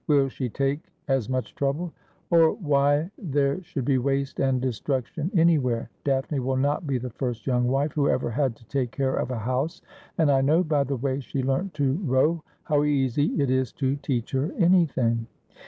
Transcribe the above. ' Will she take as much trouble ?'•' Or why there should be waste and destruction anywhere. Daphne will not be the first young wife who ever had to take care of a house, and I know by the way she learnt to row how easy it is to teach her anything.'